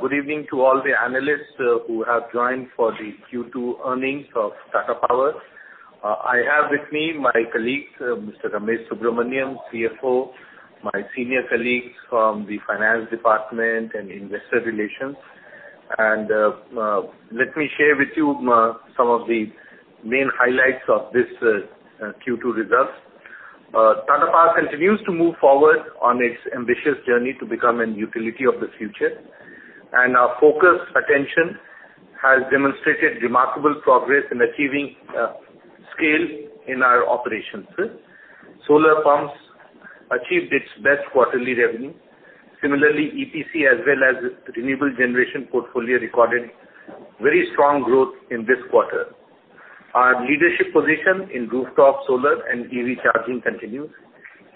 Good evening to all the analysts who have joined for the Q2 earnings of Tata Power. I have with me my colleagues, Mr. Ramesh Subramanyam, CFO, my senior colleagues from the finance department and investor relations. Let me share with you some of the main highlights of this Q2 results. Tata Power continues to move forward on its ambitious journey to become a utility of the future, and our focused attention has demonstrated remarkable progress in achieving scale in our operations. Solar pumps achieved its best quarterly revenue; Similarly, EPC as well as renewable generation portfolio recorded very strong growth in this quarter. Our leadership position in rooftop solar and EV charging continues,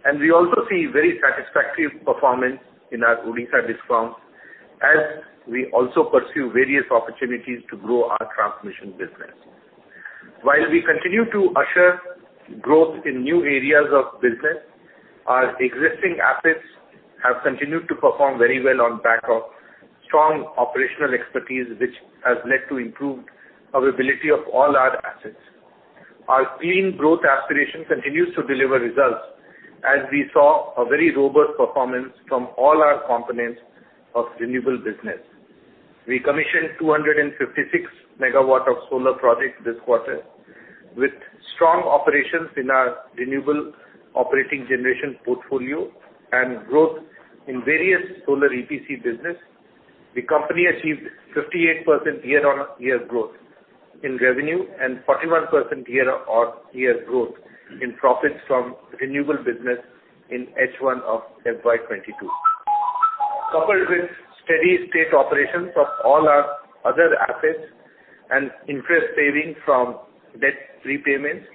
and we also see very satisfactory performance in our Odisha DISCOM as we also pursue various opportunities to grow our transmission business. While we continue to usher growth in new areas of business, our existing assets have continued to perform very well on the back of strong operational expertise, which has led to improved availability of all our assets. Our clean growth aspiration continues to deliver results, as we saw a very robust performance from all our components of renewable business. We commissioned 256 MW of solar projects this quarter. With strong operations in our renewable operating generation portfolio and growth in various solar EPC business, the company achieved 58% year-on-year growth in revenue and 41% year-on-year growth in profits from renewable business in H1 of FY 2022. Coupled with steady state operations of all our other assets and interest saving from debt repayments,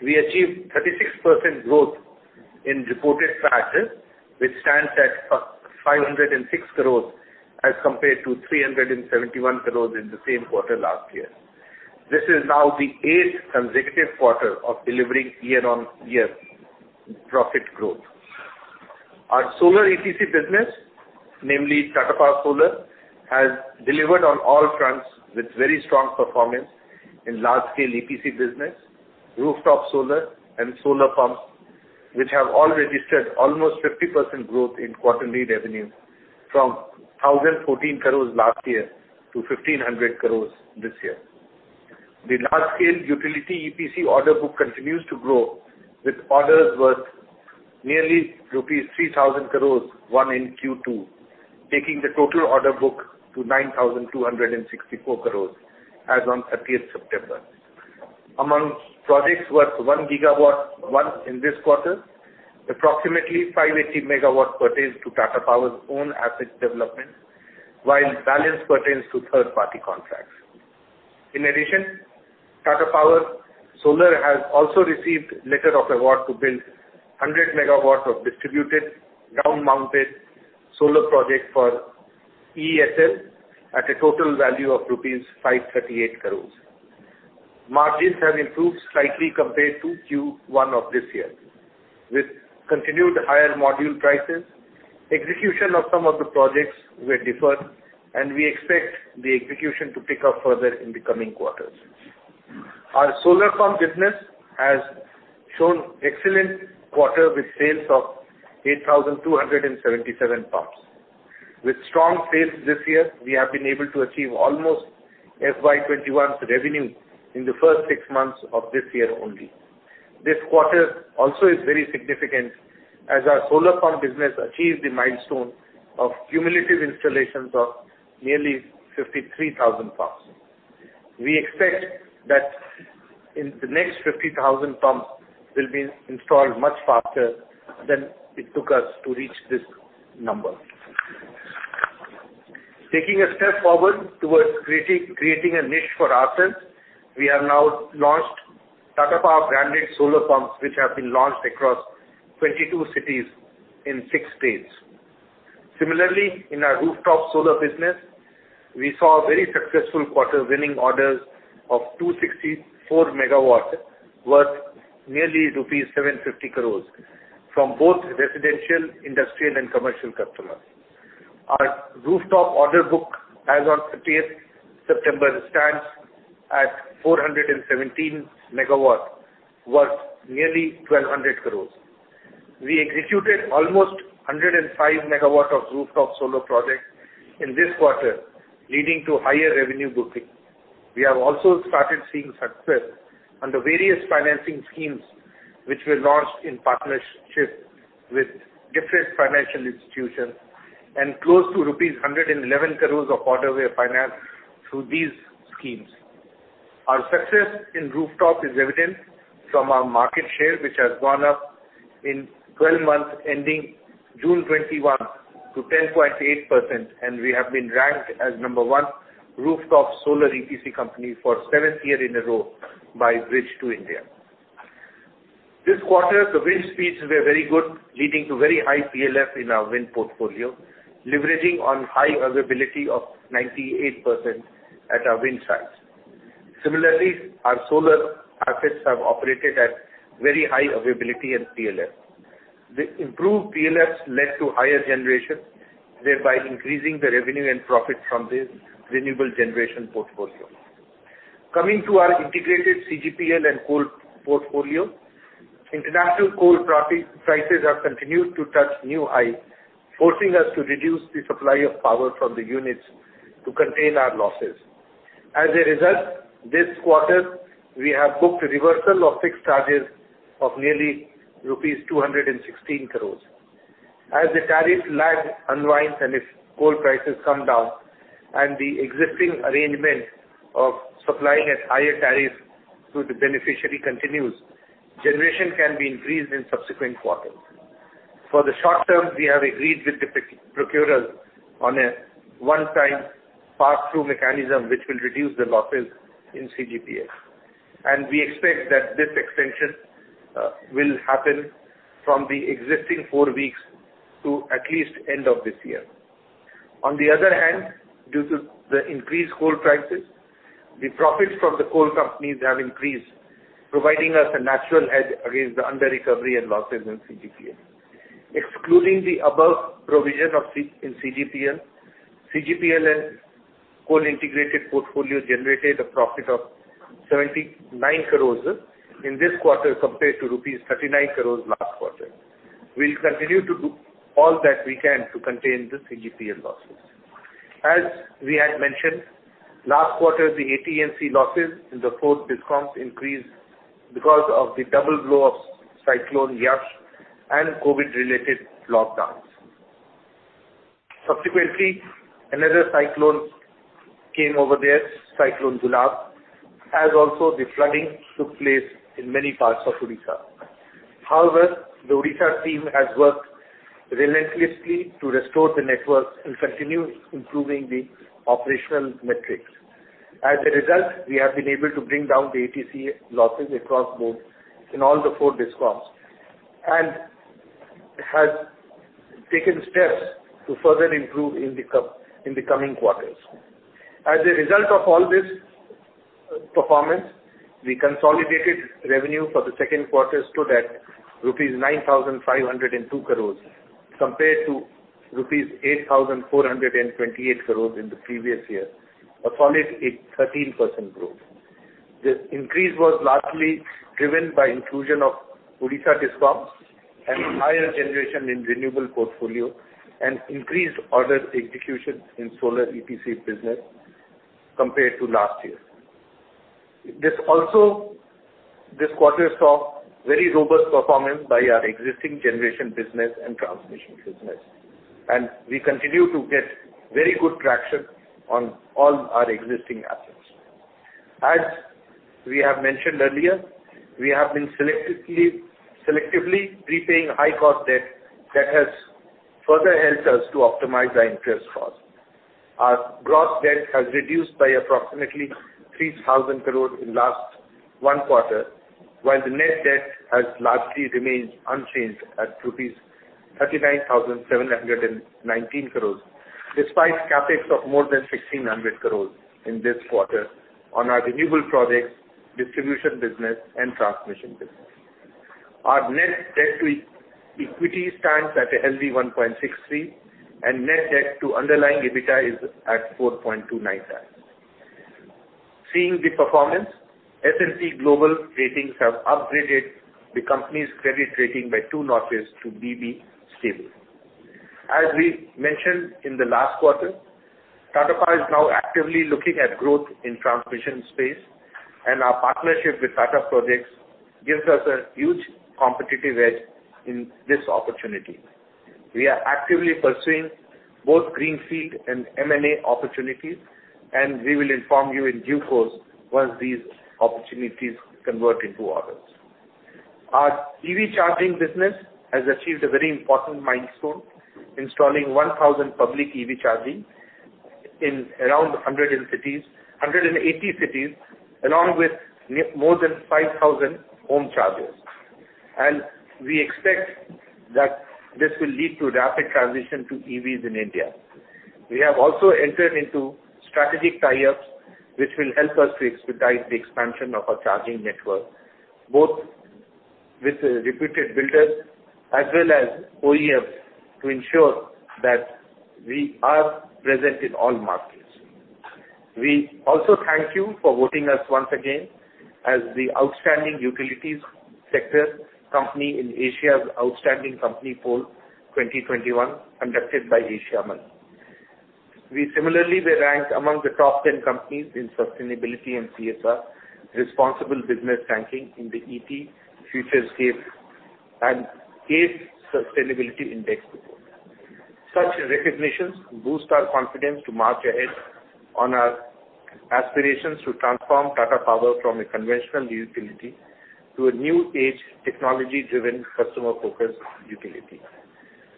we achieved 36% growth in reported PAT, which stands at 506 crores as compared to 371 crores in the same quarter last year. This is now the eighth consecutive quarter of delivering year-on-year profit growth. Our solar EPC business, namely Tata Power Solar, has delivered on all fronts with very strong performance in large scale EPC business, rooftop solar and solar pumps, which have all registered almost 50% growth in quarterly revenue from 1,014 crores last year to 1,500 crores this year. The large-scale utility EPC order book continues to grow with orders worth nearly rupees 3,000 crores won in Q2, taking the total order book to 9,264 crores as on 30th September. Among projects worth 1 GW won in this quarter, approximately 580 MW pertains to Tata Power's own asset development, while balance pertains to third-party contracts. In addition, Tata Power Solar has also received letter of award to build 100 MW of distributed ground-mounted solar project for EESL at a total value of rupees 538 crore. Margins have improved slightly compared to Q1 of this year. With continued higher module prices, execution of some of the projects were deferred and we expect the execution to pick up further in the coming quarters. Our solar pump business has shown excellent quarter with sales of 8,277 pumps. With strong sales this year, we have been able to achieve almost FY 2021's revenue in the first six months of this year only. This quarter also is very significant as our solar pump business achieved the milestone of cumulative installations of nearly 53,000 pumps. We expect that in the next 50,000 pumps will be installed much faster than it took us to reach this number. Taking a step forward towards creating a niche for ourselves, we have now launched Tata Power branded solar pumps, which have been launched across 22 cities in six states. Similarly, in our rooftop solar business, we saw a very successful quarter, winning orders of 264 MW worth nearly rupees 750 crore from both residential, industrial and commercial customers. Our rooftop order book as on 30th September stands at 417 MW, worth nearly 1,200 crore. We executed almost 105 MW of rooftop solar projects in this quarter, leading to higher revenue booking. We have also started seeing success under various financing schemes which were launched in partnership with different financial institutions, and close to rupees 111 crore of orders were financed through these schemes. Our success in rooftop is evident from our market share, which has gone up in 12 months ending June 2021 to 10.8%, and we have been ranked as number one rooftop solar EPC company for seventh year in a row by Bridge to India. This quarter, the wind speeds were very good, leading to very high PLF in our wind portfolio, leveraging on high availability of 98% at our wind sites. Similarly, our solar assets have operated at very high availability and PLF. The improved PLFs led to higher generation, thereby increasing the revenue and profit from the renewable generation portfolio. Coming to our integrated CGPL and coal portfolio, international coal prices have continued to touch new high, forcing us to reduce the supply of power from the units to contain our losses. As a result, this quarter we have booked a reversal of fixed charges of nearly rupees 216 crore. As the tariff lag unwinds and if coal prices come down, and the existing arrangement of supplying at higher tariff to the beneficiary continues, generation can be increased in subsequent quarters. For the short term, we have agreed with the procurer on a one-time pass-through mechanism which will reduce the losses in CGPL. We expect that this extension will happen from the existing four weeks to at least end of this year. On the other hand, due to the increased coal prices, the profits from the coal companies have increased, providing us a natural edge against the under-recovery and losses in CGPL. Excluding the above provision of INR 200 crore in CGPL and coal integrated portfolio generated a profit of 79 crore in this quarter compared to rupees 39 crore last quarter. We'll continue to do all that we can to contain the CGPL losses. As we had mentioned, last quarter the AT&C losses in the four DISCOMs increased because of the double blow of Cyclone Yaas and COVID-related lockdowns. Subsequently, another cyclone came over there, Cyclone Gulab, as also the flooding took place in many parts of Odisha. However, the Odisha team has worked relentlessly to restore the network and continue improving the operational metrics. As a result, we have been able to bring down the AT&C losses across both, in all the four DISCOMs, and has taken steps to further improve in the coming quarters. As a result of all this performance, the consolidated revenue for the second quarter stood at rupees 9,502 crores compared to rupees 8,428 crores in the previous year—a solid 13% growth. The increase was largely driven by inclusion of Odisha DISCOMs and higher generation in renewable portfolio and increased order execution in solar EPC business compared to last year. This quarter saw very robust performance by our existing generation business and transmission business, and we continue to get very good traction on all our existing assets. As we have mentioned earlier, we have been selectively repaying high-cost debt that has further helped us to optimize our interest costs. Our gross debt has reduced by approximately 3,000 crores in the last one quarter, while the net debt has largely remained unchanged at rupees 39,719 crores, despite CapEx of more than 1,600 crores in this quarter on our renewable projects, distribution business, and transmission business. Our net debt to equity stands at a healthy 1.63x, and net debt to underlying EBITDA is at 4.29x. Seeing the performance, S&P Global Ratings have upgraded the company's credit rating by two notches to BB/Stable. As we mentioned in the last quarter, Tata Power is now actively looking at growth in transmission space, and our partnership with Tata Projects gives us a huge competitive edge in this opportunity. We are actively pursuing both greenfield and M&A opportunities, and we will inform you in due course once these opportunities convert into others. Our EV charging business has achieved a very important milestone, installing 1,000 public EV chargers in around 180 cities, along with more than 5,000 home chargers. We expect that this will lead to rapid transition to EVs in India. We have also entered into strategic tie-ups which will help us to expedite the expansion of our charging network, both with reputed builders as well as OEMs, to ensure that we are present in all markets. We also thank you for voting us once again as the outstanding utilities sector company in Asia's Outstanding Companies Poll 2021 conducted by Asiamoney. We similarly were ranked among the top 10 companies in sustainability and CSR responsible business ranking in the ET Futurescape and CSR Sustainability Index report. Such recognitions boost our confidence to march ahead on our aspirations to transform Tata Power from a conventional utility to a new age, technology-driven, customer-focused utility.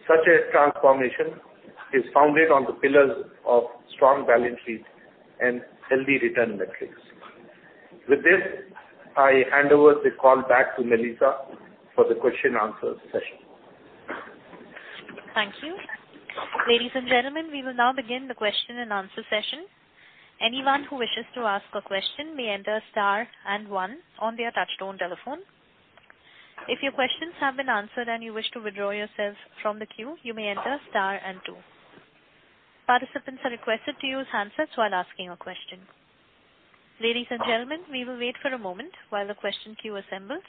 Such a transformation is founded on the pillars of strong balance sheet and healthy return metrics. With this, I hand over the call back to Melissa for the question/answer session. Thank you. Ladies and gentlemen, we will now begin the question and answer session. Anyone who wishes to ask a question may enter star and one on their touch-tone telephone. If your questions have been answered and you wish to withdraw yourself from the queue, you may enter star and two. Participants are requested to use handsets while asking a question. Ladies and gentlemen, we will wait for a moment while the question queue assembles.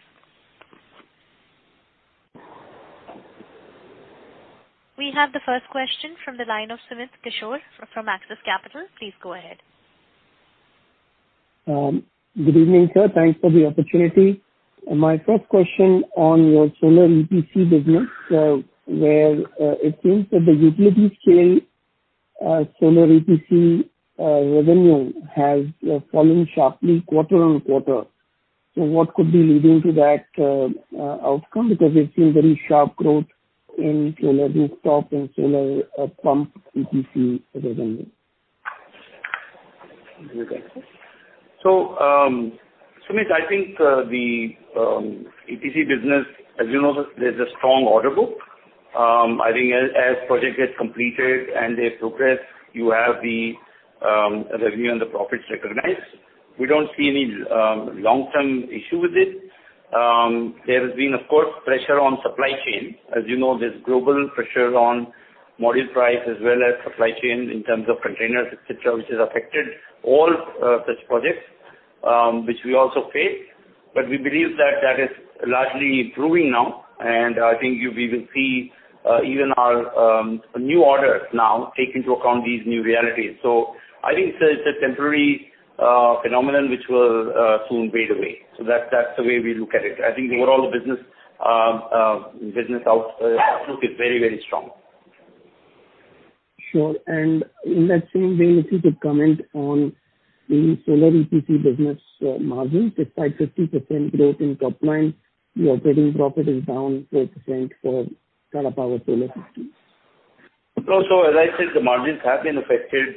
We have the first question from the line of Sumit Kishore from Axis Capital. Please go ahead. Good evening, sir. Thanks for the opportunity. My first question on your solar EPC business, where it seems that the utility scale solar EPC revenue has fallen sharply quarter-on-quarter. What could be leading to that outcome? Because we've seen very sharp growth in solar rooftop and solar pump EPC revenue. Sumit, I think the EPC business, as you know, there's a strong order book. I think as projects get completed and they progress, you have the revenue and the profits recognized. We don't see any long-term issue with it. There has been, of course, pressure on supply chain. As you know, there's global pressure on module price as well as supply chain in terms of containers, et cetera, which has affected all such projects, which we also face. But we believe that is largely improving now. I think we will see even our new orders now take into account these new realities. I think it's a temporary phenomenon which will soon fade away. That's the way we look at it. I think the overall business outlook is very, very strong. Sure. In that same vein, if you could comment on the solar EPC business margins. Despite 50% growth in top line, your trading profit is down 4% for Tata Power Solar. As I said, the margins have been affected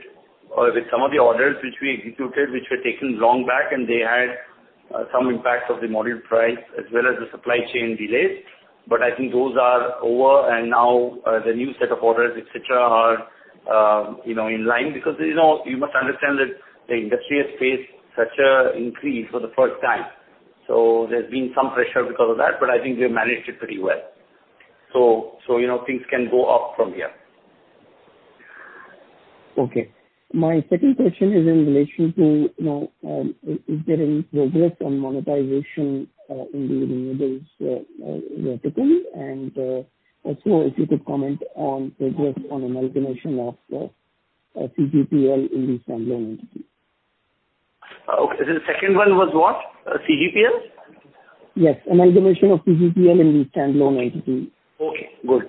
with some of the orders which we executed, which were taken long back, and they had some impacts of the module price as well as the supply chain delays. I think those are over. Now the new set of orders, et cetera, are, you know, in line. You know, you must understand that the industry has faced such an increase for the first time. There's been some pressure because of that, but I think we have managed it pretty well. You know, things can go up from here. Okay. My second question is in relation to, you know, is there any progress on monetization in the renewables vertical? Also if you could comment on progress on amalgamation of CGPL in the standalone entity. Okay. The second one was what? CGPL? Yes. Amalgamation of CGPL in the standalone entity. Okay, good.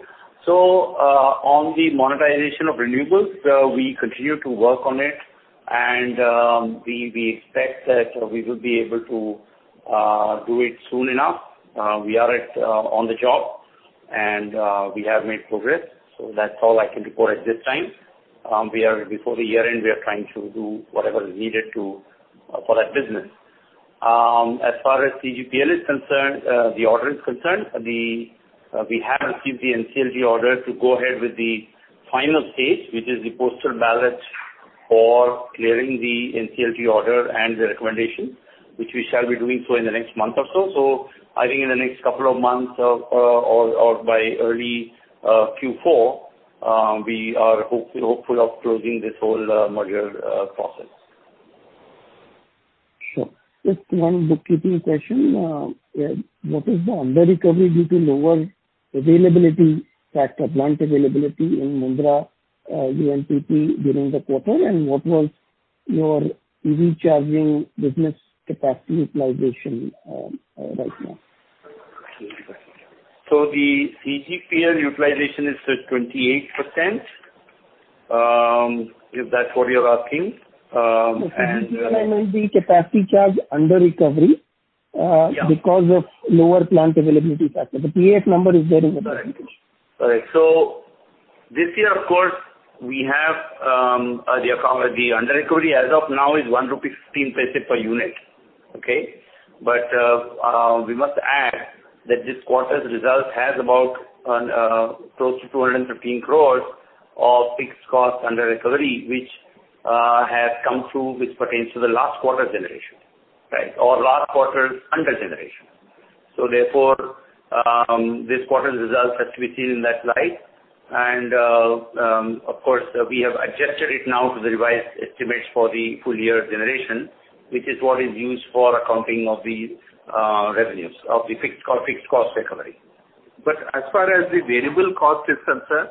On the monetization of renewables, we continue to work on it. We expect that we will be able to do it soon enough. We are on the job and we have made progress. That's all I can report at this time. Before the year-end, we are trying to do whatever is needed for that business. As far as CGPL is concerned, we have received the NCLT order to go ahead with the final stage, which is the postal ballot for clearing the NCLT order and the recommendation, which we shall be doing so in the next month or so. I think in the next couple of months, or by early Q4, we are hopeful of closing this whole merger process. Sure. Just one bookkeeping question. What is the under recovery due to lower availability factor, plant availability in Mundra UMPP during the quarter? What was your EV charging business capacity utilization right now? The CGPL utilization is at 28%. If that's what you're asking. CGPL and the capacity charge under recovery, because of lower plant availability factor. The PAF number is there in the presentation. All right. This year, of course, we have the under recovery as of now is 1.15 rupee per unit. Okay? We must add that this quarter's result has about close to 215 crore of fixed cost under recovery, which has come through due to the last quarter generation, right? Or last quarter's under generation. Therefore, this quarter's results has to be seen in that light. Of course, we have adjusted it now to the revised estimates for the full year generation, which is what is used for accounting of the revenues of the fixed cost recovery. As far as the variable cost is concerned,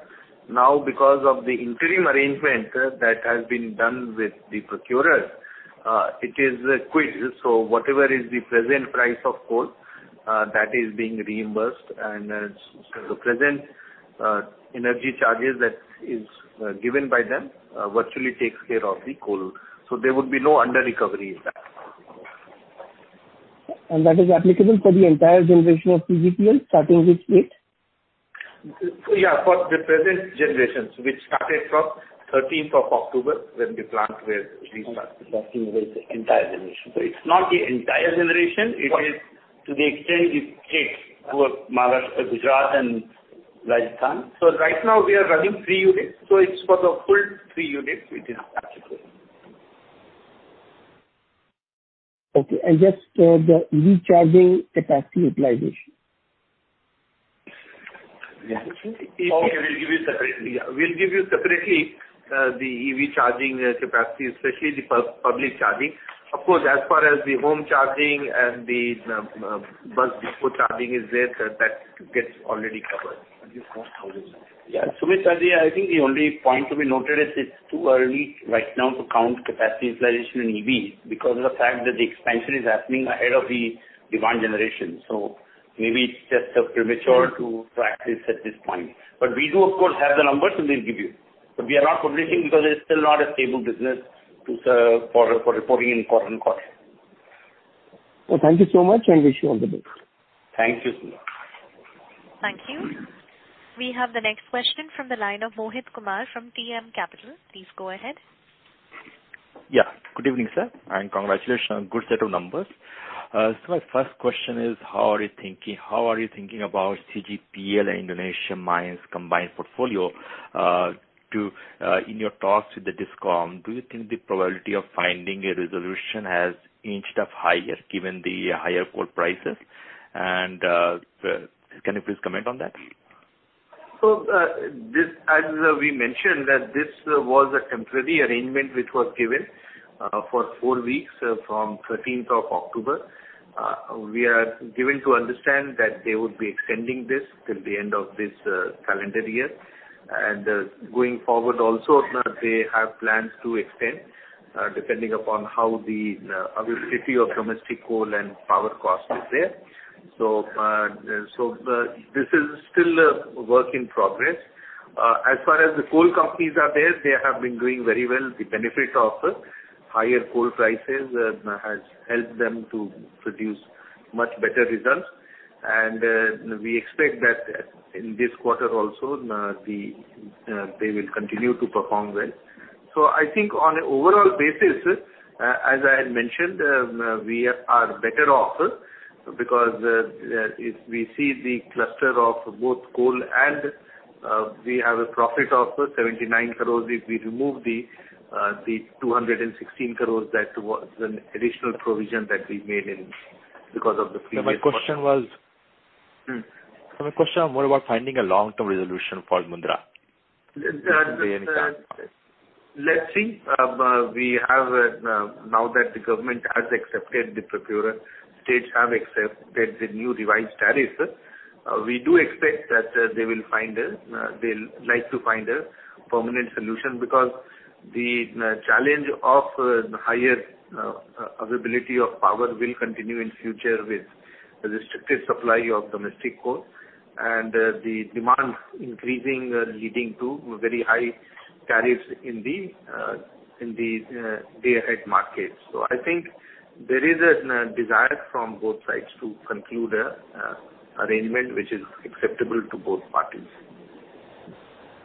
now because of the interim arrangement that has been done with the procurer, it is quid. Whatever is the present price of coal that is being reimbursed and so the present energy charges that is given by them virtually takes care of the coal. There would be no under recovery in that. That is applicable for the entire generation of CGPL, starting with it? Yeah, for the present generations which started from thirteenth of October, when the plant was restarted. Okay. Starting with the entire generation. It's not the entire generation. It is to the extent it takes towards Maharashtra, Gujarat and Rajasthan. Right now we are running three units, so it's for the full three units we can Okay. Just the EV charging capacity utilization. Yeah. We'll give you separately the EV charging capacity, especially the public charging. Of course, as far as the home charging and the bus depot charging is there, that gets already covered. Yeah. Sumit, I think the only point to be noted is it's too early right now to count capacity utilization in EVs, because of the fact that the expansion is happening ahead of the demand generation. Maybe it's just premature to assess at this point. We do of course have the numbers and we'll give you. We are not publishing because it's still not a stable business for reporting in quarter-on-quarter. Well, thank you so much, and wish you all the best. Thank you, Sumit. Thank you. We have the next question from the line of Mohit Kumar from DAM Capital. Please go ahead. Yeah. Good evening, sir, and congratulations on good set of numbers. So my first question is how are you thinking about CGPL Indonesia mines combined portfolio in your talks with the DISCOM. Do you think the probability of finding a resolution has inched up higher given the higher coal prices? Can you please comment on that? As we mentioned that this was a temporary arrangement which was given for four weeks from 13th of October. We are given to understand that they would be extending this till the end of this calendar year. Going forward also, they have plans to extend depending upon how the availability of domestic coal and power cost is there. This is still a work in progress. As far as the coal companies are there, they have been doing very well. The benefit of higher coal prices has helped them to produce much better results. We expect that in this quarter also they will continue to perform well. I think on an overall basis, as I had mentioned, we are better off because, if we see the cluster of both coal and we have a profit of 79 crores. If we remove the 216 crores, that was an additional provision that we made because of the previous— My question was. Mm-hmm. My question was more about finding a long-term resolution for Mundra. Is there any plan for this? Let's see. Now that the government has accepted the procurement, states have accepted the new revised tariffs, we do expect that they'll like to find a permanent solution because the challenge of higher availability of power will continue in future with the restricted supply of domestic coal and the demand increasing, leading to very high tariffs in the day-ahead markets. I think there is a desire from both sides to conclude an arrangement which is acceptable to both parties.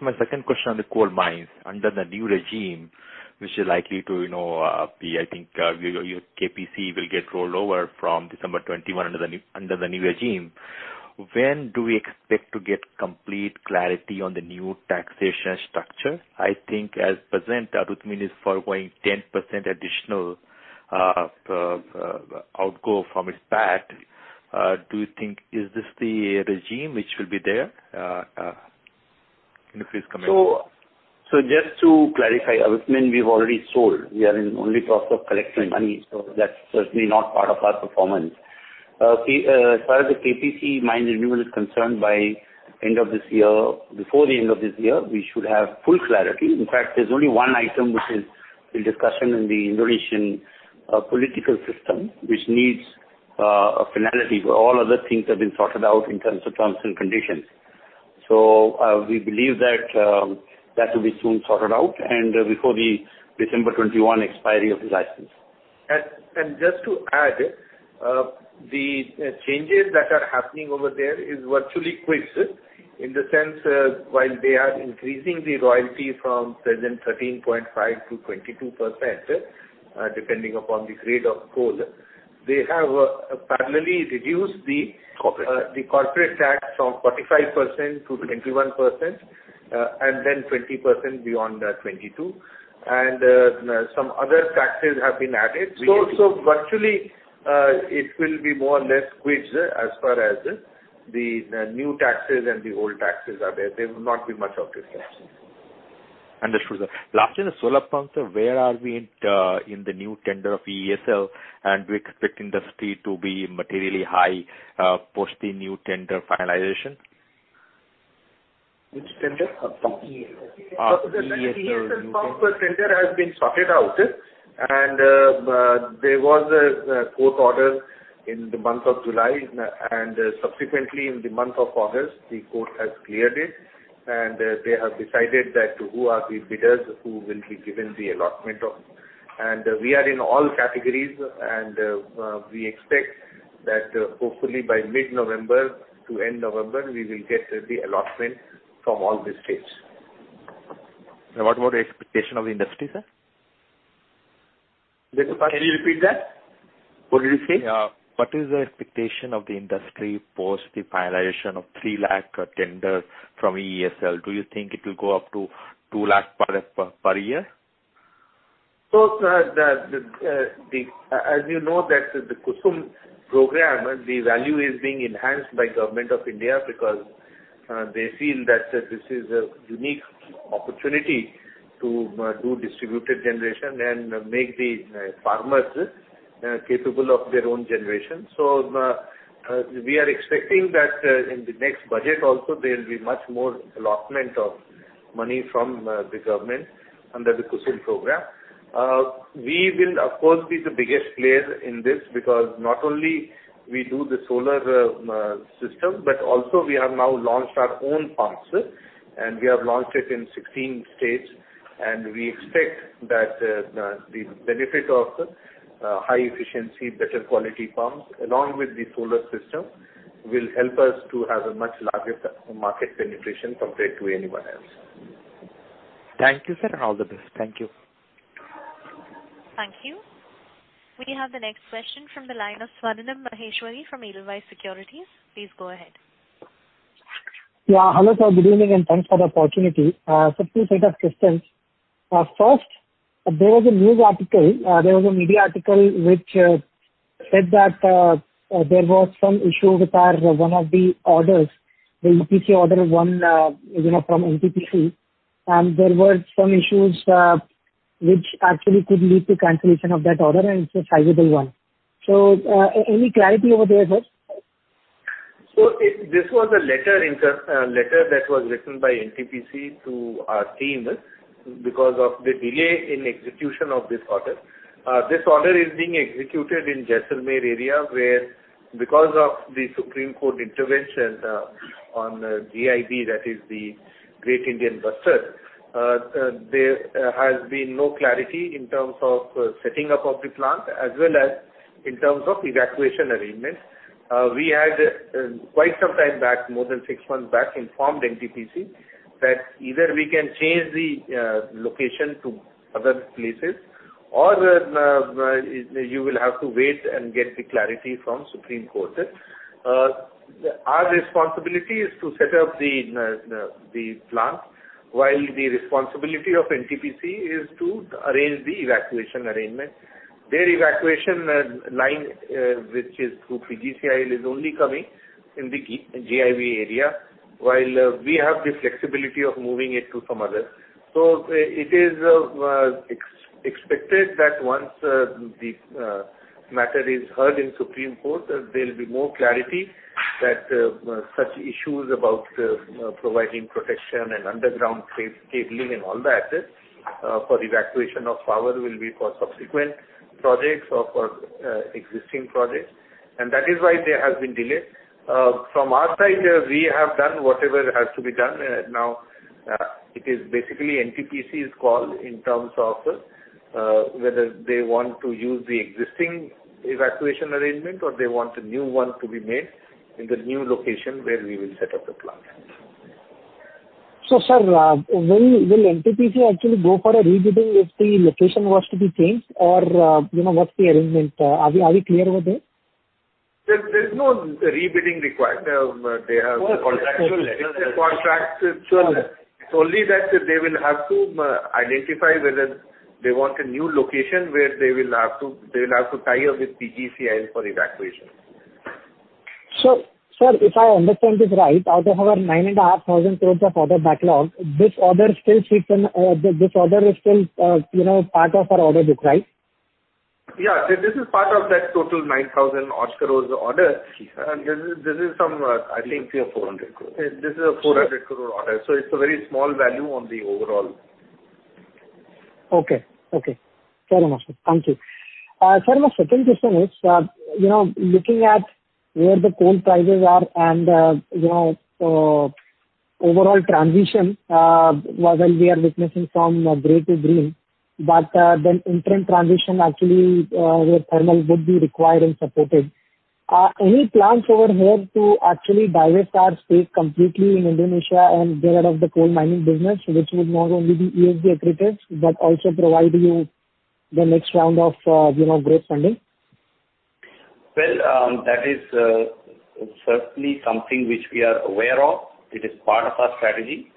My second question on the coal mines. Under the new regime, which is likely to, you know, be, I think, your KPC will get rolled over from December 2021 under the new regime. When do we expect to get complete clarity on the new taxation structure? I think at present, Arutmin is foregoing 10% additional outgo from its PAT. Do you think this is the regime which will be there? Can you please comment? Just to clarify, Arutmin, we've already sold. We are only in process of collecting money, so that's certainly not part of our performance. As far as the KPC mine renewal is concerned, by the end of this year, we should have full clarity. In fact, there's only one item which is in discussion in the Indonesian political system, which needs a finality. All other things have been sorted out in terms of terms and conditions. We believe that that will be soon sorted out and before the December 2021 expiry of the license. Just to add, the changes that are happening over there is virtually quid pro quo. In the sense, while they are increasing the royalty from present 13.5% to 22%, depending upon the grade of coal, they have parallelly reduced the- Corporate ...the corporate tax from 45% to 21%, and then 20% beyond 2022. Some other taxes have been added. So virtually, it will be more or less quits, as far as the new taxes and the old taxes are there. There will not be much of a difference. Understood. Last in the solar pump, sir, where are we at in the new tender of EESL? Do we expect industry to be materially high post the new tender finalization? Which tender? EESL. The EESL tender has been sorted out. There was a court order in the month of July. Subsequently in the month of August, the court has cleared it, and they have decided that who are the bidders who will be given the allotment of. We are in all categories, we expect that hopefully by mid-November to end November, we will get the allotment from all the states. What about the expectation of the industry, sir? Can you repeat that? What did you say? Yeah. What is the expectation of the industry post the finalization of 3 lakh tender from EESL? Do you think it will go up to 2 lakh per year? Sir, as you know, the PM-KUSUM program value is being enhanced by Government of India because they feel that this is a unique opportunity to do distributed generation and make the farmers capable of their own generation. We are expecting that in the next budget also there will be much more allotment of money from the government under the PM-KUSUM program. We will of course be the biggest player in this because not only we do the solar system, but also we have now launched our own pumps, and we have launched it in 16 states. We expect that the benefit of high efficiency, better quality pumps along with the solar system will help us to have a much larger market penetration compared to anyone else. Thank you, sir, and all the best. Thank you. Thank you. We have the next question from the line of Swarnim Maheshwari from Edelweiss Securities. Please go ahead. Yeah. Hello, sir. Good evening, and thanks for the opportunity. Sir, two set of questions. First, there was a media article which said that there was some issue with our one of the orders, the EPC order one, you know, from NTPC. There were some issues which actually could lead to cancellation of that order, and it's a sizable one. Any clarity over there, sir? This was a letter that was written by NTPC to our team because of the delay in execution of this order. This order is being executed in Jaisalmer area where, because of the Supreme Court intervention on GIB, that is the Great Indian Bustard, there has been no clarity in terms of setting up of the plant as well as in terms of evacuation arrangements. We had, quite some time back, more than six months back, informed NTPC that either we can change the location to other places or you will have to wait and get the clarity from Supreme Court. Our responsibility is to set up the plant, while the responsibility of NTPC is to arrange the evacuation arrangement. Their evacuation line, which is through PGCIL, is only coming in the GIB area, while we have the flexibility of moving it to some other. It is expected that once the matter is heard in Supreme Court, there will be more clarity that such issues about providing protection and underground cabling and all that for evacuation of power will be for subsequent projects or for existing projects. That is why there has been delay. From our side, we have done whatever has to be done. Now, it is basically NTPC's call in terms of whether they want to use the existing evacuation arrangement or they want a new one to be made in the new location where we will set up the plant. Sir, will NTPC actually go for a rebidding if the location was to be changed or, you know, what's the arrangement? Are we clear over there? There's no rebidding required. They have Contractual letter. It's a contract. Sure. It's only that they will have to identify whether they want a new location where they will have to tie up with PGCIL for evacuation. Sir, if I understand this right, out of our 9,500 crore order backlog, this order is still, you know, part of our order book, right? Yeah. This is part of that total 9,000-odd crore order. Okay. This is some, I think. Three to 400 crores. This is an 400 crore order. It's a very small value on the overall. Okay. Fair enough, sir. Thank you. Sir, my second question is, you know, looking at where the coal prices are and, you know, overall transition, while we are witnessing from gray to green, but then interim transition actually, where thermal would be required and supported. Any plans over here to actually divest our stake completely in Indonesia and get rid of the coal mining business, which would not only be ESG accredited, but also provide you the next round of, you know, growth funding? Well, that is certainly something which we are aware of. It is part of our strategy.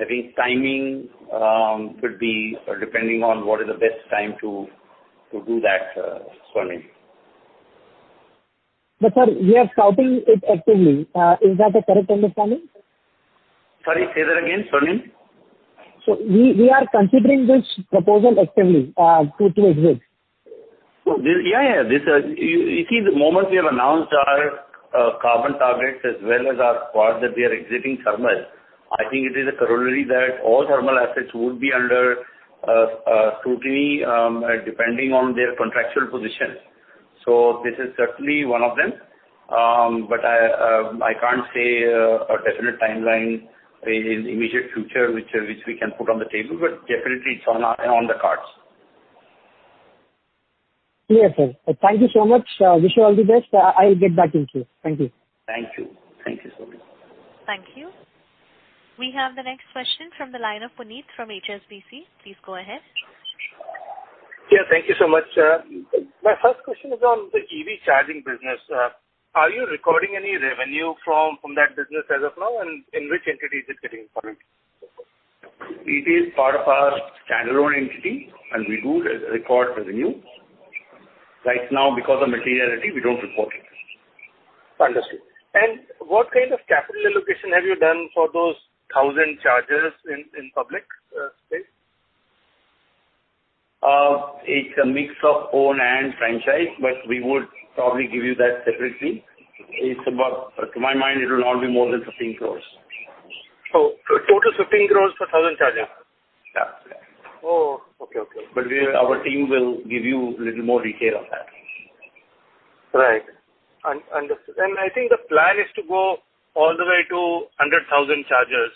I think timing could be depending on what is the best time to do that, Swarnim. Sir, we are scouting it actively. Is that a correct understanding? Sorry, say that again, Swarnim Maheshwari. We are considering this proposal actively to exit. Yeah. You see, the moment we have announced our carbon targets as well as our part that we are exiting thermal, I think it is a corollary that all thermal assets would be under scrutiny, depending on their contractual positions. This is certainly one of them. But I can't say a definite timeline in immediate future which we can put on the table, but definitely it's on the cards. Yes, sir. Thank you so much. Wish you all the best. I'll get back to you. Thank you so much. Thank you. We have the next question from the line of Puneet from HSBC. Please go ahead. Yeah, thank you so much. My first question is on the EV charging business. Are you recording any revenue from that business as of now? And in which entity is it getting recorded? It is part of our standalone entity, and we do re-record revenue. Right now because of materiality, we don't report it. Understood. What kind of capital allocation have you done for those 1,000 chargers in public space? It's a mix of own and franchise, but we would probably give you that separately. It's about, to my mind, it will not be more than 15 crore. Total 15 crore for 1,000 chargers? Yeah. Oh, okay. Okay. Our team will give you little more detail on that. Right. Understand. I think the plan is to go all the way to 100,000 chargers,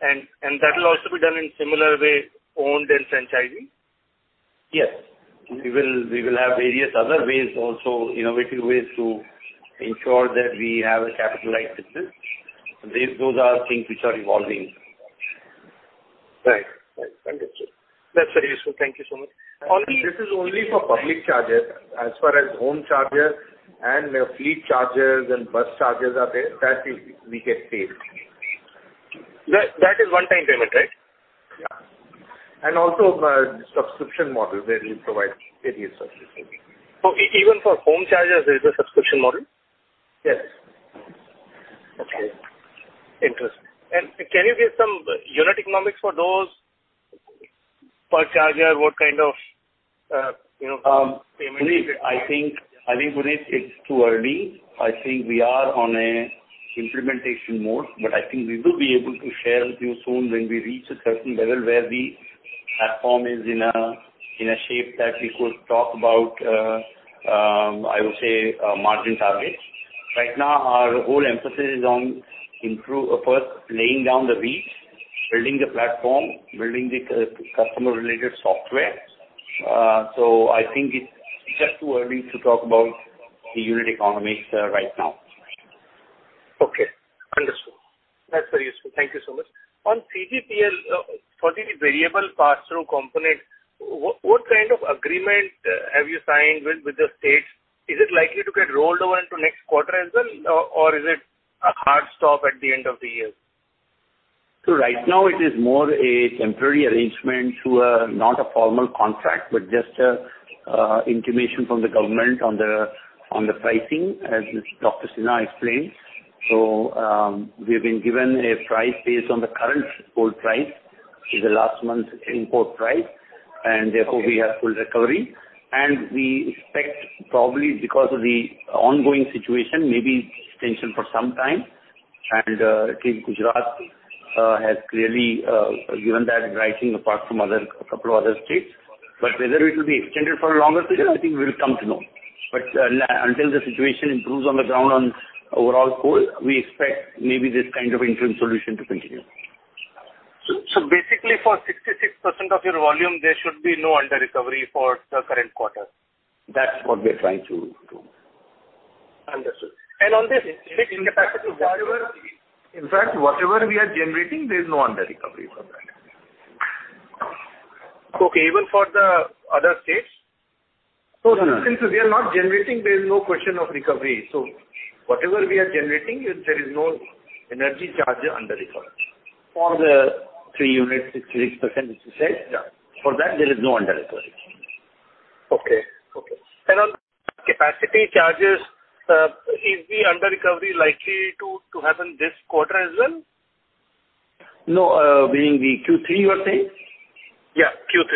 and that will also be done in similar way, owned and franchisee? Yes. We will have various other ways also, innovative ways to ensure that we have a capitalized business. Those are things which are evolving. Right. Understood. That's very useful. Thank you so much. This is only for public chargers. As far as home chargers and fleet chargers and bus chargers are there, that we get paid. That is one-time payment, right? Yeah. Subscription model where we provide various services. Even for home chargers, there is a subscription model? Yes. Okay. Interesting. Can you give some unit economics for those? Per charger, what kind of, you know, payment- Puneet, I think it's too early. I think we are in implementation mode, but I think we will be able to share with you soon when we reach a certain level where the platform is in a shape that we could talk about, I would say, margin targets. Right now, our whole emphasis is on first laying down the reach, building the platform, building the customer related software. I think it's just too early to talk about the unit economics right now. Okay. Understood. That's very useful. Thank you so much. On CGPL, for the variable pass-through component, what kind of agreement have you signed with the states? Is it likely to get rolled over into next quarter as well, or is it a hard stop at the end of the year? Right now it is more a temporary arrangement through not a formal contract, but just an intimation from the government on the pricing, as Dr. Sinha explained. We've been given a price based on the current coal price, the last month import price, and therefore we have full recovery. We expect probably because of the ongoing situation, maybe extension for some time. I think Gujarat has clearly given that pricing apart from other couple other states. Whether it will be extended for a longer period, I think we'll come to know. Until the situation improves on the ground on overall coal, we expect maybe this kind of interim solution to continue. Basically for 66% of your volume, there should be no under-recovery for the current quarter? That's what we're trying to do. Understood. On this fixed capacity- In fact, whatever we are generating, there is no under-recovery for that. Okay. Even for the other states? Since we are not generating, there is no question of recovery. Whatever we are generating, there is no energy charge under-recovery. For the three units, 66% as you said. Yeah. For that, there is no under-recovery. Okay. On capacity charges, is the under-recovery likely to happen this quarter as well? No. Being the Q3, you are saying? Yeah, Q3.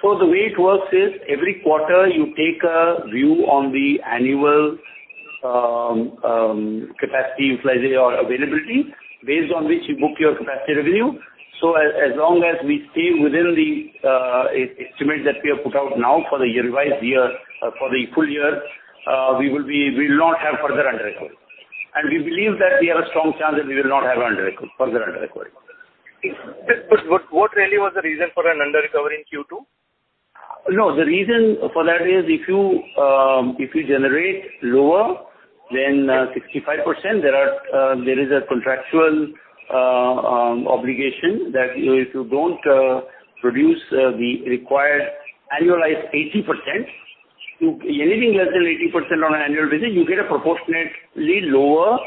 The way it works is every quarter you take a view on the annual capacity utilization or availability based on which you book your capacity revenue. As long as we stay within the estimate that we have put out now for the revised year for the full year, we will not have further under-recovery. We believe that we have a strong chance that we will not have under-recovery, further under-recovery. What really was the reason for an under-recovery in Q2? No, the reason for that is if you generate lower than 65%, there is a contractual obligation that if you don't produce the required annualized 80%, anything less than 80% on an annual basis, you get a proportionately lower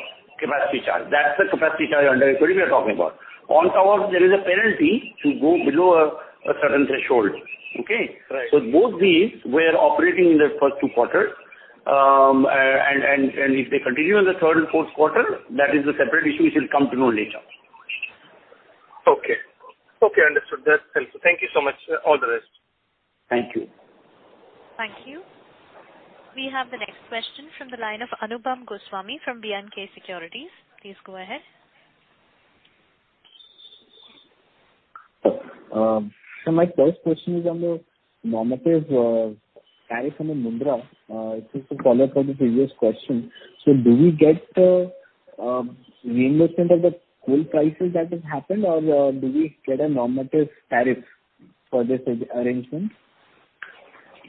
capacity charge. That's the capacity charge under-recovery we are talking about. On top of that, there is a penalty to go below a certain threshold. Okay? Right. Both these were operating in the first two quarters. If they continue in the third and fourth quarter, that is a separate issue we shall come to know later. Okay. Okay, understood. That's helpful. Thank you so much. All the best. Thank you. Thank you. We have the next question from the line of Anupam Goswami from BNK Securities. Please go ahead. My first question is on the Mundra tariff on the Mundra. It is a follow-up on the previous question. Do we get reimbursement of the coal prices that has happened, or do we get a normative tariff for this arrangement?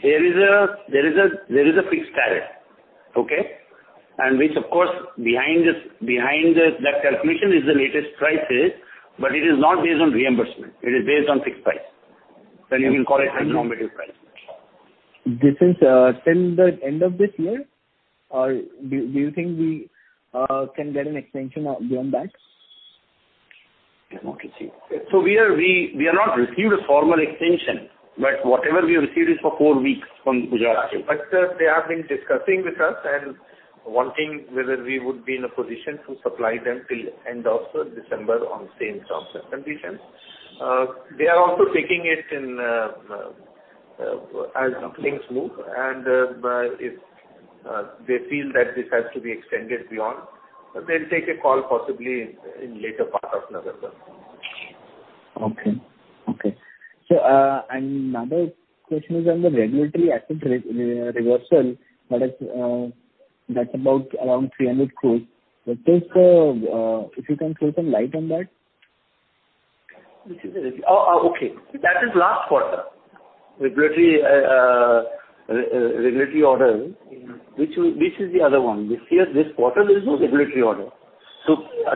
There is a fixed tariff. Okay? Which of course, behind this, that calculation is the latest prices, but it is not based on reimbursement. It is based on fixed price. You can call it a normative price. This is till the end of this year, or do you think we can get an extension beyond that? We have not received a formal extension, but whatever we have received is for four weeks from Gujarat state. They have been discussing with us and wanting whether we would be in a position to supply them till end of December on same terms and conditions. They are also taking it in, as things move and, if they feel that this has to be extended beyond, they'll take a call possibly in later part of November. Another question is on the regulatory asset reversal that's about around 300 crore. Just, if you can throw some light on that. Which is it? Oh, okay. That is last quarter. Regulatory order. This is the other one. This here, this quarter, there is no regulatory order.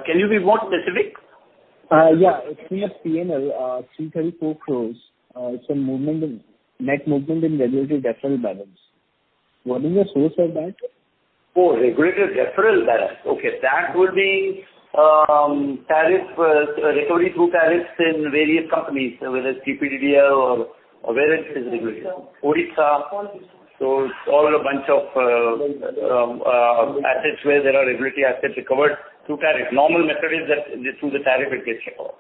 Can you be more specific? Yeah. It's here, P&L, 334 crore. It's a net movement in regulatory deferral balance. What is the source of that? Oh, regulatory deferral balance. Okay. That would be tariff recovery through tariffs in various companies, whether it's TPDDL or various distributors. Orissa. All a bunch of assets where there are regulatory assets recovered through tariff. Normal method is that through the tariff it gets recovered.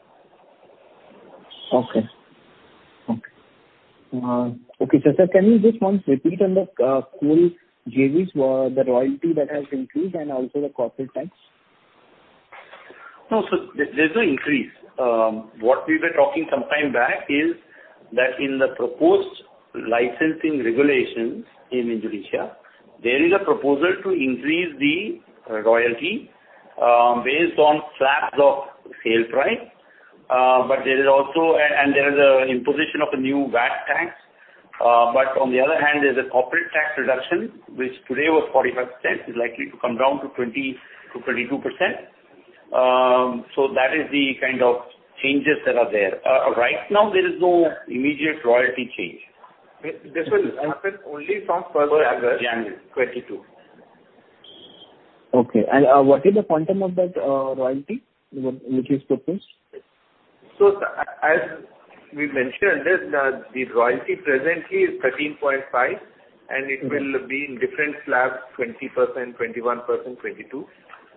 Sir, can you just once repeat on the coal JVs, the royalty that has increased and also the corporate tax? No, there's no increase. What we were talking some time back is that in the proposed licensing regulations in Indonesia, there is a proposal to increase the royalty, based on slabs of sale price. There is also an imposition of a new VAT tax. On the other hand, there's a corporate tax reduction, which today was 45%, is likely to come down to 20%-22%. That is the kind of changes that are there. Right now, there is no immediate royalty change. This will happen only from 1st of August 2022. Okay. What is the quantum of that royalty, which is proposed? As we mentioned, the royalty presently is 13.5%, and it will be in different slabs, 20%, 21%, 22%.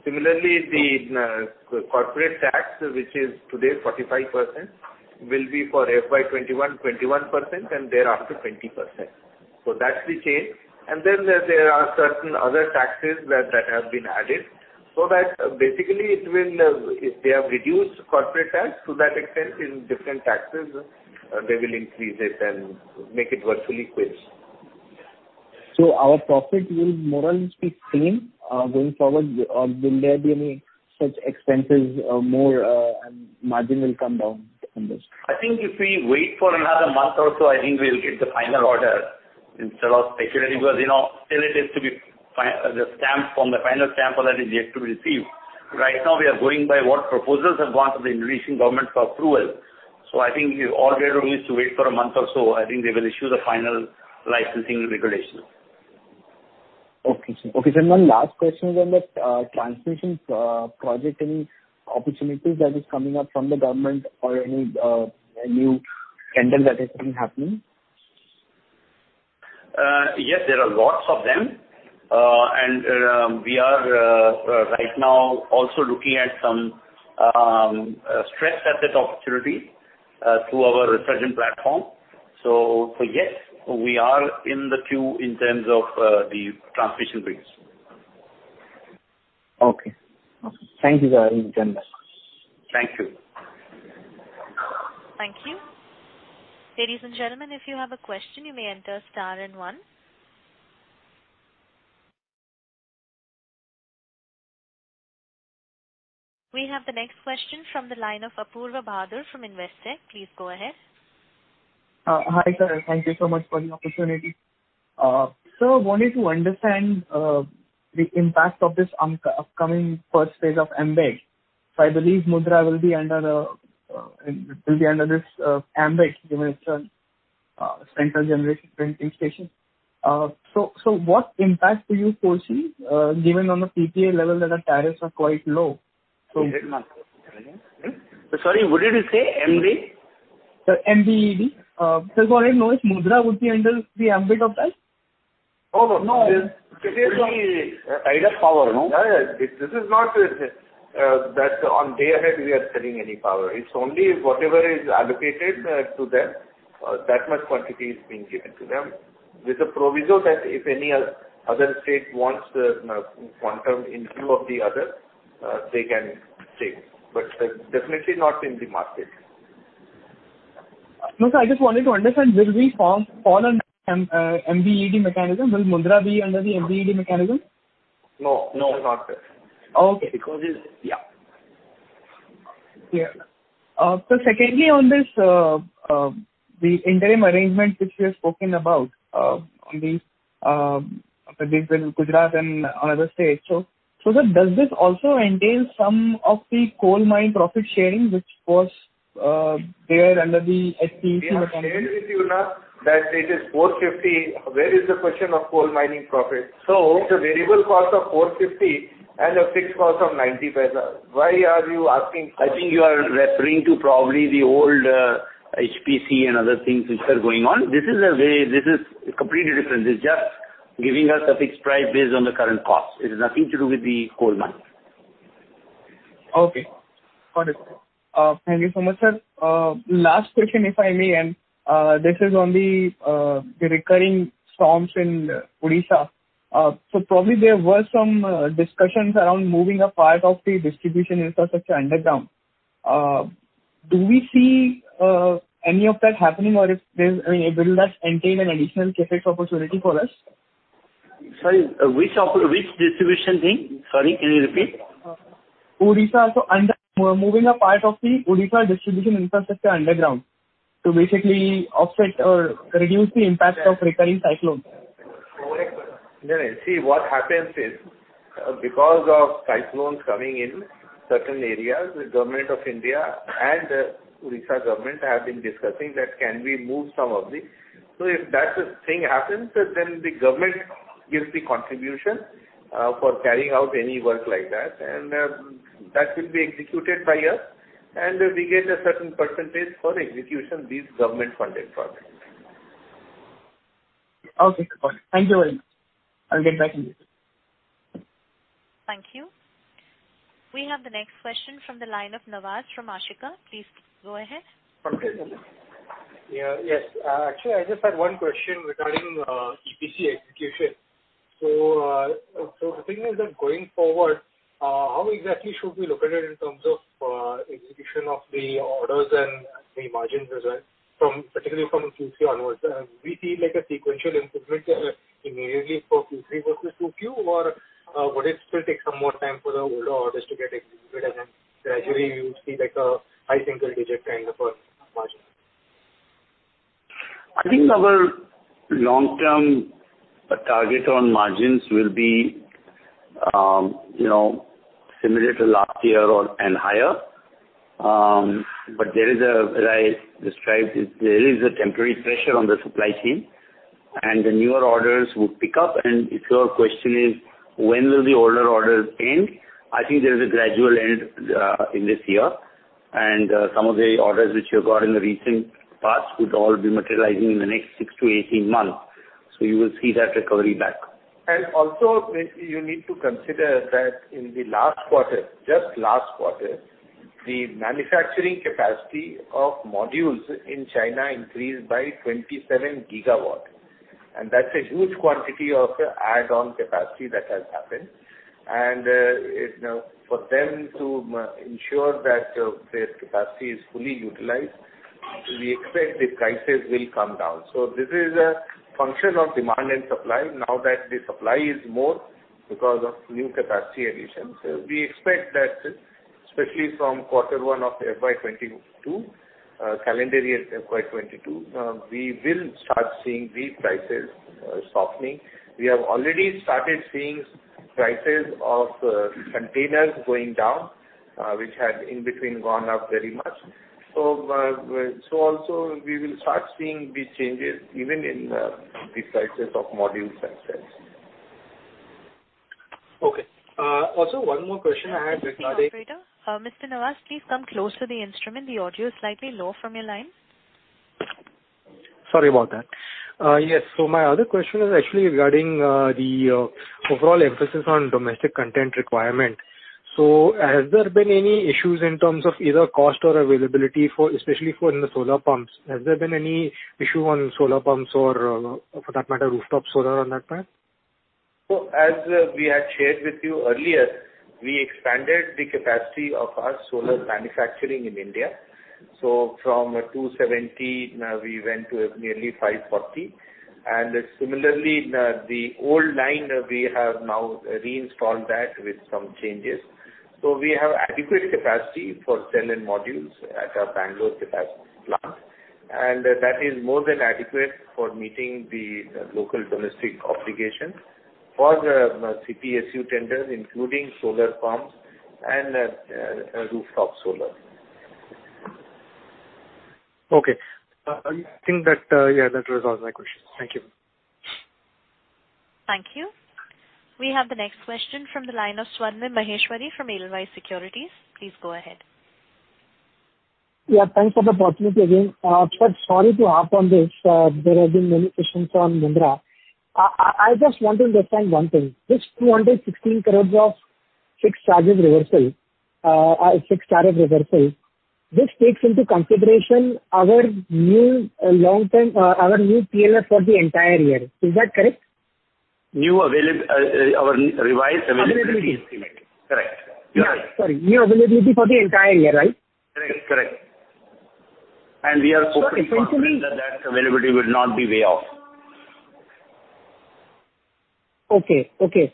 Similarly, the corporate tax, which is today 45%, will be for FY 2021, 21%, and thereafter 20%. That's the change. Then there are certain other taxes that have been added, so that basically it will if they have reduced corporate tax to that extent in different taxes, they will increase it and make it virtually quits. Our profit will more or less be same, going forward, or will there be any such expenses or more, and margin will come down on this? I think if we wait for another month or so, I think we'll get the final order instead of speculating because, you know, still it is to be finalized. The final stamp that is yet to be received. Right now, we are going by what proposals have gone to the Indonesian government for approval. I think all we have to do is to wait for a month or so. I think they will issue the final licensing regulations. Okay. Okay, one last question is on the transmission project. Any opportunities that is coming up from the government or any tender that is going to happen? Yes, there are lots of them. We are right now also looking at some stressed asset opportunity through our Resurgent platform. Yes, we are in the queue in terms of the transmission bids. Okay. Thank you, sir. Thank you. Thank you. Ladies and gentlemen, if you have a question, you may enter star and one. We have the next question from the line of Apoorva Bahadur from Investec. Please go ahead. Hi, sir. Thank you so much for the opportunity. Wanted to understand the impact of this upcoming first phase of MBED. I believe Mundra will be under this MBED, given it's a central generating station. What impact do you foresee, given on the PPA level that our tariffs are quite low? Sorry, what did you say? MBE? Sir, MBED. For him, Mundra would be under the ambit of that? Oh, no. It will be idle power, no? Yeah, yeah. This is not that on day-ahead we are selling any power. It's only whatever is allocated to them, that much quantity is being given to them. With the proviso that if any other state wants the quantum in lieu of the other, they can take. Definitely not in the market. No, I just wanted to understand will we fall under MBED mechanism? Will Mundra be under the MBED mechanism? No, no, it is not there. Okay. Yeah. Secondly, on this, the interim arrangement which we have spoken about, on these in Gujarat and another state. Does this also entail some of the coal mine profit sharing which was there under the HPC mechanism? We have shared with you now that it is INR 450. Where is the question of coal mining profit? It's a variable cost of INR 4.50 and a fixed cost of INR 0.90. Why are you asking for- I think you are referring to probably the old HPC and other things which are going on. This is completely different. It's just giving us a fixed price based on the current cost. It has nothing to do with the coal mine. Okay. Got it. Thank you so much, sir. Last question, if I may, and this is on the recurring storms in Odisha. Probably there were some discussions around moving a part of the distribution infrastructure underground. Do we see any of that happening or if there's, I mean, it will thus entail an additional CapEx opportunity for us? Sorry, which distribution thing? Sorry, can you repeat? Odisha. Moving a part of the Odisha distribution infrastructure underground to basically offset or reduce the impact of recurring cyclones. Correct. No, no. See, what happens is, because of cyclones coming in certain areas, the Government of India and Odisha government have been discussing that can we move some of the. If that thing happens, then the government gives the contribution, for carrying out any work like that, and that will be executed by us, and we get a certain percentage for execution these government-funded projects. Okay. Got it. Thank you very much. I'll get back to you. Thank you. We have the next question from the line of Nawaz from Ashika. Please go ahead. Okay. Actually, I just had one question regarding EPC execution. The thing is that going forward, how exactly should we look at it in terms of execution of the orders and the margins as well from particularly from Q3 onwards? We see like a sequential improvement immediately for Q3 versus Q2 or would it still take some more time for the older orders to get executed and then gradually you see like a high single digit kind of a margin? I think our long-term target on margins will be, you know, similar to last year or and higher. But there is a, as I described, there is a temporary pressure on the supply chain, and the newer orders would pick up. If your question is when will the older orders end, I think there's a gradual end in this year. Some of the orders which you got in the recent past would all be materializing in the next 6 months to 18 months. You will see that recovery back. You need to consider that in the last quarter, just last quarter, the manufacturing capacity of modules in China increased by 27 GW. That's a huge quantity of add-on capacity that has happened. You know, for them to ensure that their capacity is fully utilized, we expect the prices will come down. This is a function of demand and supply. Now that the supply is more because of new capacity additions, we expect that especially from quarter one of FY 2022, calendar year FY 2022, we will start seeing these prices softening. We have already started seeing prices of containers going down, which had in between gone up very much. Also we will start seeing these changes even in the prices of modules themselves. Okay. Also one more question I had regarding. Excuse me, operator. Mr. Nawaz, please come close to the instrument. The audio is slightly low from your line. Sorry about that. Yes. My other question is actually regarding the overall emphasis on domestic content requirement. Has there been any issues in terms of either cost or availability for, especially for in the solar pumps? Has there been any issue on solar pumps or for that matter, rooftop solar on that front? As we had shared with you earlier, we expanded the capacity of our solar manufacturing in India. From 270 now we went to nearly 540. Similarly, the old line we have now reinstalled that with some changes. We have adequate capacity for cell and modules at our Bangalore plant, and that is more than adequate for meeting the local domestic obligations for the CPSU tenders, including solar pumps and rooftop solar. Okay. I think that, yeah, that resolves my question. Thank you. Thank you. We have the next question from the line of Swarnim Maheshwari from Edelweiss Securities. Please go ahead. Yeah, thanks for the opportunity again. Sorry to harp on this. There have been many questions on Mundra. I just want to understand one thing. This 216 crore of fixed charge reversal takes into consideration our new long-term, our new PLF for the entire year. Is that correct? Our revised availability estimate. Availability. Correct. You're right. Yeah. Sorry. New availability for the entire year, right? Correct. Essentially. Pretty confident that availability will not be way off. Would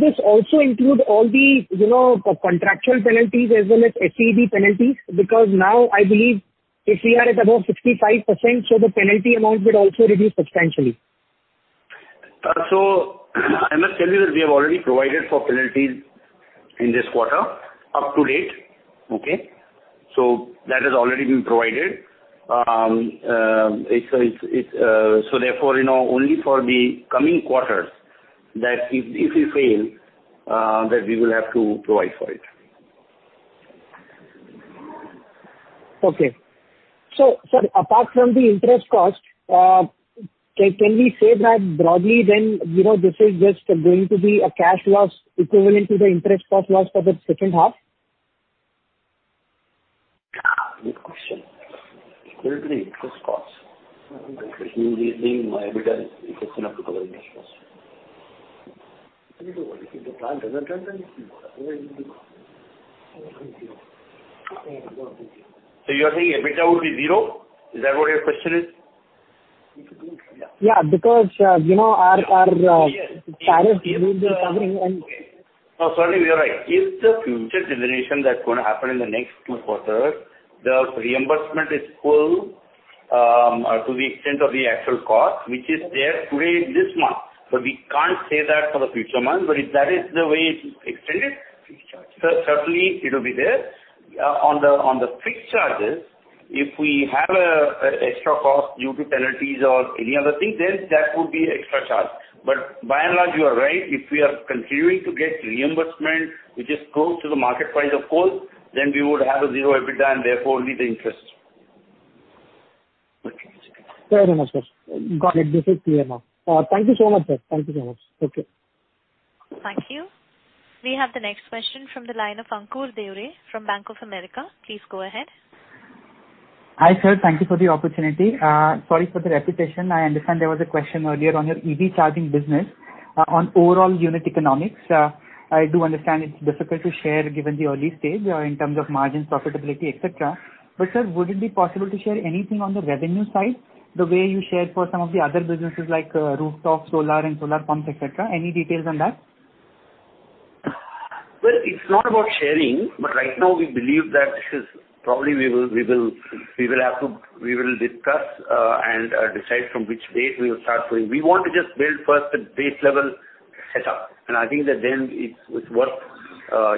this also include all the, you know, contractual penalties as well as SEB penalties? Because now I believe if we are at above 65%, so the penalty amount would also reduce substantially. I must tell you that we have already provided for penalties in this quarter up to date. Okay? That has already been provided. It's therefore, you know, only for the coming quarters that if we fail, then we will have to provide for it. Okay. Sir, apart from the interest cost, can we say that broadly then, you know, this is just going to be a cash loss equivalent to the interest cost loss for the second half? Good question. Equivalent to the interest cost. I think the EBITDA is enough to cover the interest cost. You're saying EBITDA would be zero? Is that what your question is? Yeah, because you know, our tariffs will be covering and No, certainly you are right. If the future generation that's gonna happen in the next two quarters, the reimbursement is full, to the extent of the actual cost, which is there today, this month. We can't say that for the future months, but if that is the way it extended. Certainly it'll be there. On the fixed charges, if we have a extra cost due to penalties or any other thing, then that would be extra charge. By and large, you are right. If we are continuing to get reimbursement which is close to the market price of coal, then we would have a zero EBITDA and therefore only the interest. Okay. Thank you very much, sir. Got it. This is clear now. Thank you so much, sir. Thank you so much. Okay. Thank you. We have the next question from the line of Ankur from Bank of America. Please go ahead. Hi, sir. Thank you for the opportunity. Sorry for the repetition. I understand there was a question earlier on your EV charging business, on overall unit economics. I do understand it's difficult to share given the early stage, in terms of margin profitability, et cetera. Sir, would it be possible to share anything on the revenue side, the way you shared for some of the other businesses like, rooftop solar and solar pumps, et cetera? Any details on that? Well, it's not about sharing, but right now we believe that this is probably we will have to discuss and decide from which date we will start doing. We want to just build first the base level set up, and I think that then it's worth,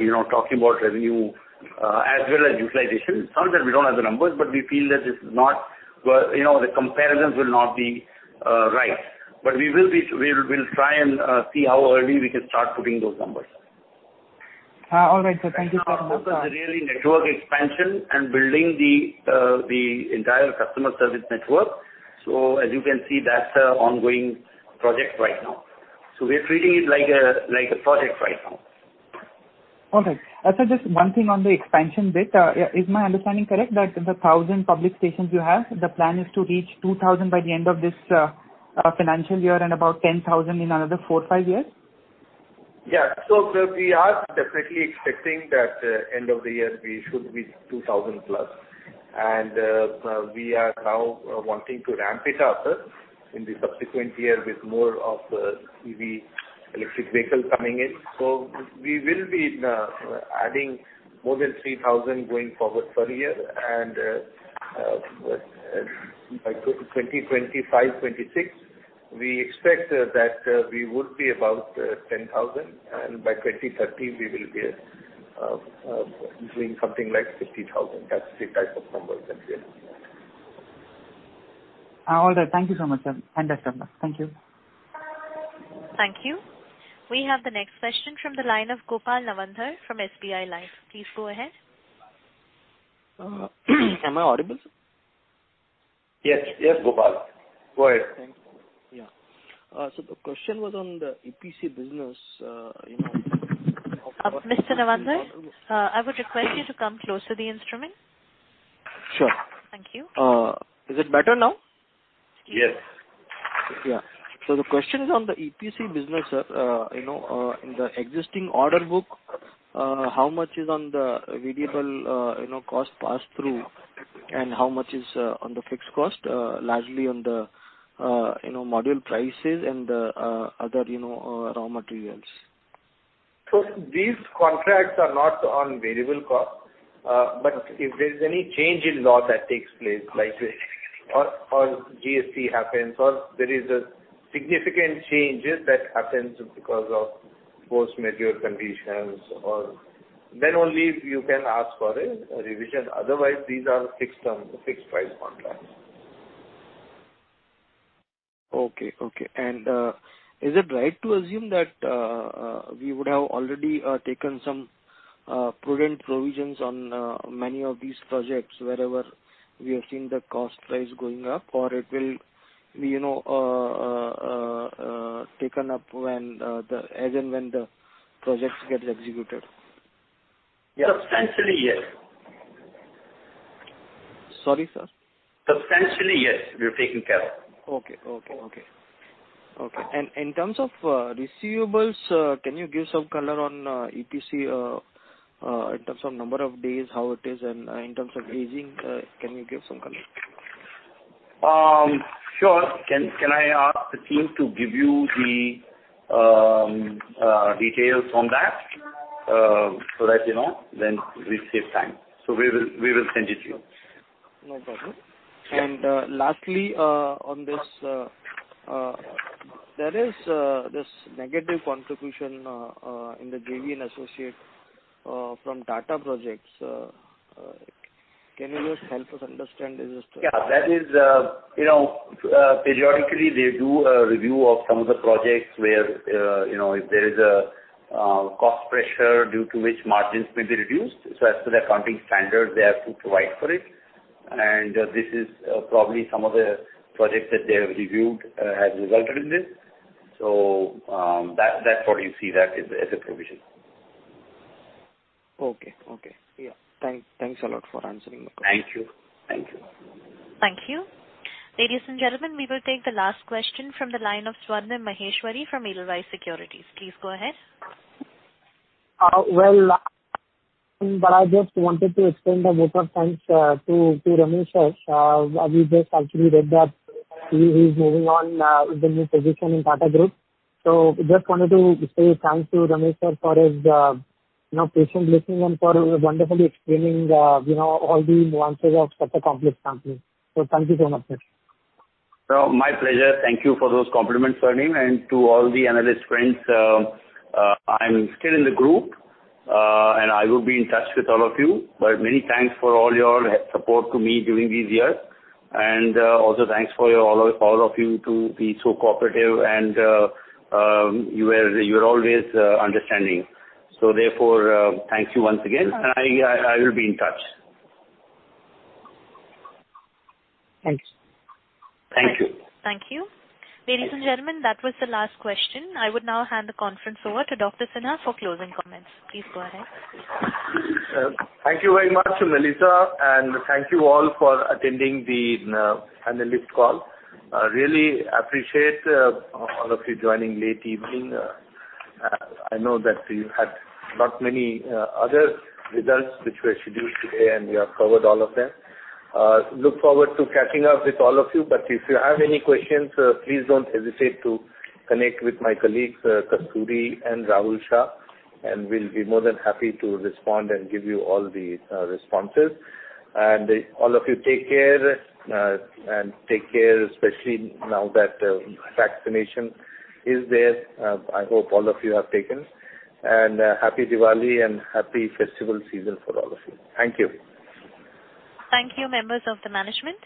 you know, talking about revenue as well as utilization. It's not that we don't have the numbers, but we feel that it's not worth, you know, the comparisons will not be right. We'll try and see how early we can start putting those numbers. All right, sir. Thank you so much. This is really network expansion and building the entire customer service network. As you can see, that's an ongoing project right now. We're treating it like a project right now. Okay. Just one thing on the expansion bit. Is my understanding correct that the 1,000 public stations you have, the plan is to reach 2,000 public stations by the end of this financial year and about 10,000 public stations in another four, five years? Yeah. We are definitely expecting that, end of the year we should reach 2000+ public stations. We are now wanting to ramp it up in the subsequent year with more of EV, electric vehicles coming in. We will be adding more than 3000 public stations going forward per year. By 2025-2026, we expect that we would be about 10,000 public stations. By 2030 we will be doing something like 50,000 public stations. That's the type of numbers that we are looking at. All right. Thank you so much, sir. Understood now. Thank you. Thank you. We have the next question from the line of Gopal Nawandhar from SBI Life. Please go ahead. Am I audible, sir? Yes. Yes, Gopal. Go ahead. Thank you. Yeah. The question was on the EPC business. You know. Mr. Nawandhar, I would request you to come close to the instrument. Sure. Thank you. Is it better now? Yes. Yeah. The question is on the EPC business, sir. You know, in the existing order book, how much is on the variable, you know, cost pass through, and how much is on the fixed cost, largely on the, you know, module prices and other, you know, raw materials? These contracts are not on variable cost, but if there's any change in law that takes place, like or GST happens or there is a significant changes that happens because of force majeure conditions, then only you can ask for a revision. Otherwise, these are fixed term, fixed price contracts. Okay. Is it right to assume that we would have already taken some prudent provisions on many of these projects wherever we have seen the cost price going up or it will, you know, as and when the projects get executed? Substantially, yes. Sorry, sir? Substantially, yes, we are taking care. Okay. In terms of receivables, can you give some color on AT&C in terms of number of days, how it is, and in terms of aging, can you give some color? Sure. Can I ask the team to give you the details on that? So that, you know, then we save time. We will send it to you. No problem. Sure. Lastly, on this, there is this negative contribution in the JV and associate from Tata Projects. Can you just help us understand this as well? Yeah, that is, you know, periodically they do a review of some of the projects where, you know, if there is a cost pressure due to which margins may be reduced, so as per the accounting standard they have to provide for it. This is probably some of the projects that they have reviewed have resulted in this. That's what you see that as a provision. Okay. Yeah. Thanks a lot for answering my question. Thank you. Thank you. Thank you. Ladies and gentlemen, we will take the last question from the line of Swarnim Maheshwari from Edelweiss Securities. Please go ahead. Well, I just wanted to extend a vote of thanks to Ramesh Subramanyam. We just actually read that he is moving on with a new position in Tata Group. Just wanted to say thanks to Ramesh Subramanyam for his, you know, patient listening and for wonderfully explaining the, you know, all the nuances of such a complex company. Thank you so much, sir. No, my pleasure. Thank you for those compliments, Swarnim, and to all the analyst friends. I'm still in the group, and I will be in touch with all of you. Many thanks for all your support to me during these years. Also thanks for all of you to be so cooperative and you are always understanding. Therefore, thank you once again. I will be in touch. Thanks. Thank you. Thank you. Ladies and gentlemen, that was the last question. I would now hand the conference over to Dr. Sinha for closing comments. Please go ahead. Thank you very much, Melissa, and thank you all for attending the analyst call. I really appreciate all of you joining late evening. I know that you had not many other results which were scheduled today, and we have covered all of them. Look forward to catching up with all of you. If you have any questions, please don't hesitate to connect with my colleagues, Kasturi Banerjee and Rajesh Lachhani, and we'll be more than happy to respond and give you all the responses. All of you take care, and take care especially now that vaccination is there. I hope all of you have taken. Happy Diwali and happy festival season for all of you. Thank you. Thank you, members of the management.